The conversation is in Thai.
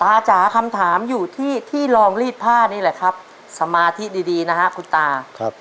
ไอ้เจ้าเวฟยักษ์หน้าด้วยนะ